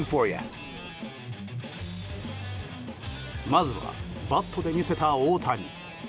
まずはバットで見せた大谷。